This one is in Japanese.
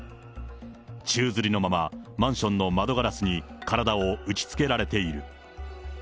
宙づりのまま、マンションの窓ガラスに体を打ちつけられている。